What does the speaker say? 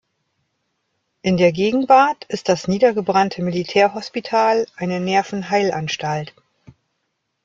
In der Gegenwart ist das niedergebrannte Militärhospital eine Nervenheilanstalt.